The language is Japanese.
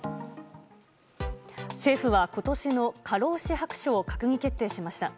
政府は今年の過労死白書を閣議決定しました。